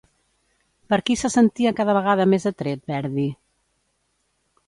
Per qui se sentia cada vegada més atret Verdi?